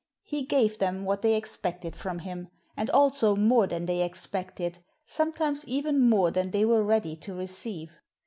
He gave them what they expected from him, and also more than they expected, sometimes even more than they were ready to receive.